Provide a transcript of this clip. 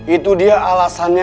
itu dia alasannya